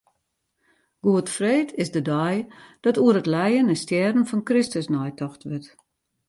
Goedfreed is de dei dat oer it lijen en stjerren fan Kristus neitocht wurdt.